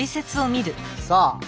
さあ